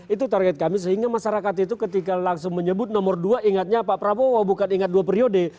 itu target kami sehingga masyarakat itu ketika langsung menyebut nomor dua ingatnya pak prabowo bukan ingat dua periode